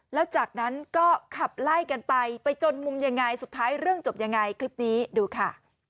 แล้วจากนั้นก็ขับไล่กันไปไปจนมุมยังไงสุดท้ายเรื่องจบยังไงคลิปนี้ดูค่ะ